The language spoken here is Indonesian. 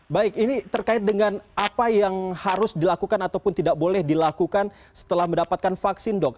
baik ini terkait dengan apa yang harus dilakukan ataupun tidak boleh dilakukan setelah mendapatkan vaksin dok